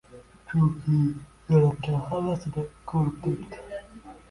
Chunki Yaratgan hammasini ko‘rib turibdi.